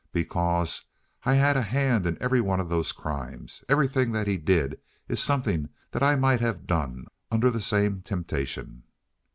"Because I had a hand in every one of those crimes! Everything that he did is something that I might have done under the same temptation."